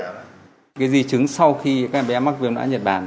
cái di chứng sau khi các em bé mắc viêm não nhật bản